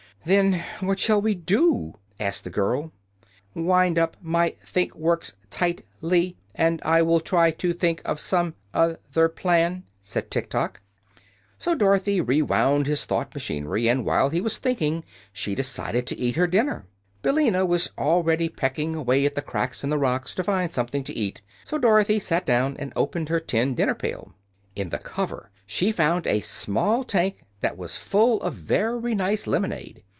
"Then what shall we do?" asked the girl. "Wind up my think works tight ly, and I will try to think of some oth er plan," said Tiktok. So Dorothy rewound his thought machinery, and while he was thinking she decided to eat her dinner. Billina was already pecking away at the cracks in the rocks, to find something to eat, so Dorothy sat down and opened her tin dinner pail. In the cover she found a small tank that was full of very nice lemonade.